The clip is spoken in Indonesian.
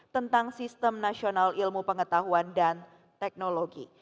tentang sistem nasional ilmu pengetahuan dan teknologi